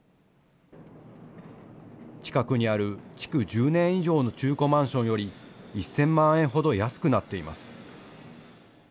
近くにある築１０年以上の中古マンションより１０００万円ほど安くなっています。